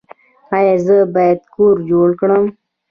ایا زه باید کور جوړ کړم؟